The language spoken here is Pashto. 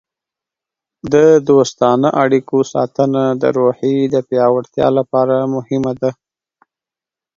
د دوستانه اړیکو ساتنه د روحیې د پیاوړتیا لپاره مهمه ده.